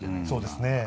そうですね。